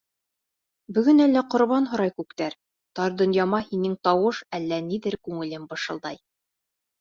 Бөгөн әллә Ҡорбан һорай күктәр — Тар донъяма һинең тауыш Әллә ниҙер күңелем бышылдай?